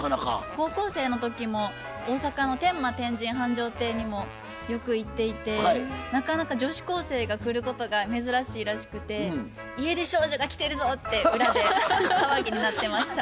高校生の時も大阪の天満天神繁昌亭にもよく行っていてなかなか女子高生が来ることが珍しいらしくて家出少女が来てるぞって裏で騒ぎになってました。